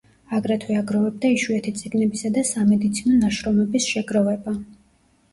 აგრეთვე აგროვებდა იშვიათი წიგნებისა და სამედიცინო ნაშრომების შეგროვება.